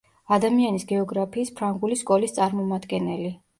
ადამიანის გეოგრაფიის ფრანგული სკოლის წარმომადგენელი.